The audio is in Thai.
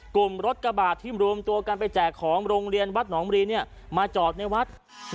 กลุ่มรถกระบาดที่รวมตัวกันไปแจกของโรงเรียนวัดหนองรีมาจอดในวัด